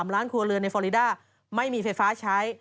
ล้านครัวเรือนในฟอลิดาไม่มีไฟฟ้าใช้